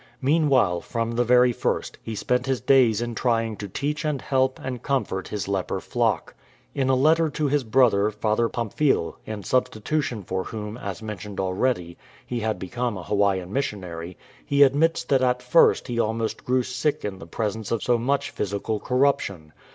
Mean while, from the very first, he spent his days in trying to teach and help and comfort his leper flock. In a letter to his brother. Father Pamphile, in substitution for whom, as mentioned already, he had become a Hawaiian missionary, he admits that at first he almost grew sick in the presence of so much physical corruption.